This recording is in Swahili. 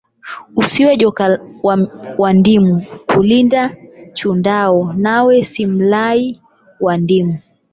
Usiwe joka wa ndimu kulinda wachundao nawe simlai wa ndimu